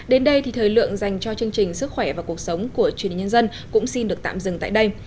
đến đây thì thời lượng dành cho chương trình sức khỏe và cuộc sống của truyền hình nhân dân cũng xin được tạm dừng tại đây